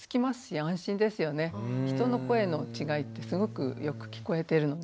人の声の違いってすごくよく聞こえてるので。